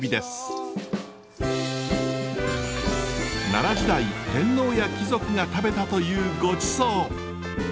奈良時代天皇や貴族が食べたというご馳走。